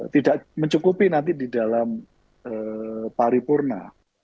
tidak mencukupi nanti di dalam pari purna